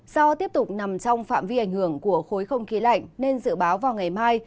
do tiếp tục nằm trong phạm vi ảnh hưởng của khối không khí lạnh nên dự báo vào ngày mai